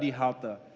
tiba di halte